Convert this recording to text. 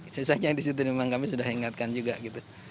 susahnya di situ memang kami sudah ingatkan juga gitu